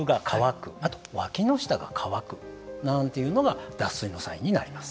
あと、わきの下が渇くなんていうのが脱水のサインになります。